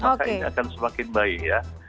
maka ini akan semakin baik ya